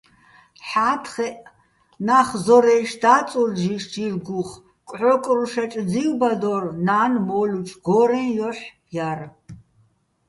ჰ̦ა́თხეჸ ნახ ზორაჲში̆ და́წურ ჯიშ-ჯილგუხ, კჵო́კრუშაჭ ძივბადო́რ, ნა́ნ მო́ლუჩო̆ გო́რეჼ ჲოჰ̦ ჲარ.